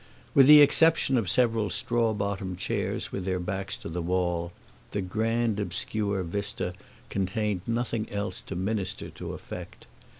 With the exception of several straw bottomed chairs with their backs to the wall, the grand obscure vista contained nothing else to minister to effect.